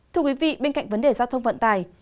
thưa quý vị bên cạnh vấn đề giao thông vận tải